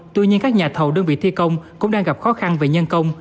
tuy nhiên các nhà thầu đơn vị thi công cũng đang gặp khó khăn về nhân công